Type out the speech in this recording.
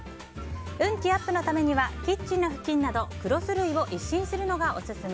運気アップのためにはキッチンの付近などクロス類を一新するのがオススメ。